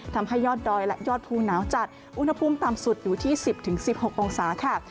ทำให้ยอดดอยและยอดภูหนาวจัดอุณหภูมิต่ำสุดอยู่ที่๑๐๑๖องศาค่ะ